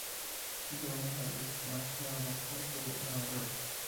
John Hyatt nació en Starkey, Nueva York.